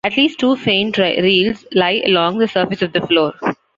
At least two faint rilles lie along the surface of the floor.